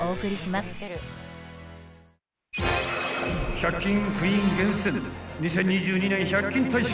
［１００均クイーン厳選２０２２年１００均大賞］